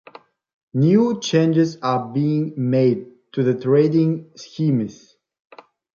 New changes are being made to the trading schemes.